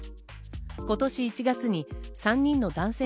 今年１月に３人の男性